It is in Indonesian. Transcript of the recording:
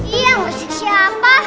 iya berisik siapa